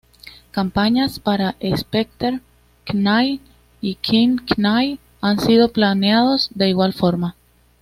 Campañas para Specter Knight y King Knight han sido planeados de igual forma.